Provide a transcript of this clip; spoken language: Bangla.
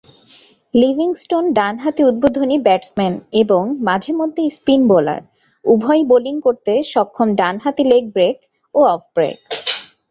লিভিংস্টোন ডানহাতি উদ্বোধনী ব্যাটসম্যান এবং মাঝেমধ্যে স্পিন বোলার, উভয়ই বোলিং করতে সক্ষম ডানহাতি লেগ ব্রেক ও অফ ব্রেক।